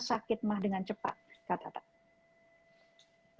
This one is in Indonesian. sakit emas dengan cepat